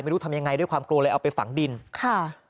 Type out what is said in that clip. ไม่รู้ทำยังไงด้วยความกลัวเลยเอาไปฝังดินค่ะ